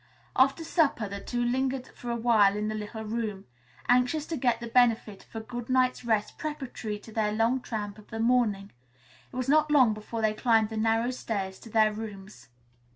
After supper the two lingered for a while in the little room. Anxious to get the benefit of a good night's rest preparatory to their long tramp of the morning, it was not long before they climbed the narrow stairs to their rooms.